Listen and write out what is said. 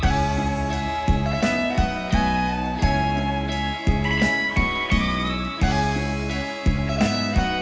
เร็วไปฟังกัน